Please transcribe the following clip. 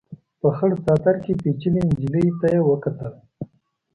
په خړ څادر کې پيچلې نجلۍ ته يې وکتل.